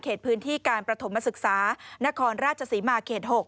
เขตพื้นที่การประถมศึกษานครราชสีมาร์๖